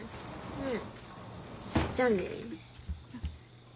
うん。